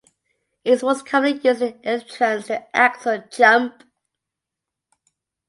It is most commonly used an entrance to an axel jump.